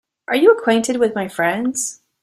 Are you acquainted with my friends?